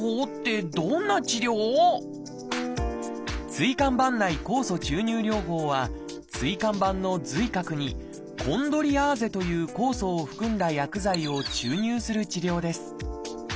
「椎間板内酵素注入療法」は椎間板の髄核に「コンドリアーゼ」という酵素を含んだ薬剤を注入する治療です。